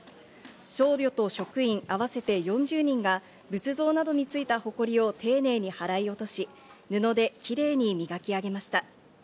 僧侶と職員、合わせて４０人が仏像などについたほこりを丁寧に払い落とし、布でキレイに磨き上げました。